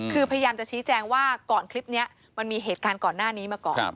คือพยายามจะชี้แจงว่าก่อนคลิปนี้มันมีเหตุการณ์ก่อนหน้านี้มาก่อน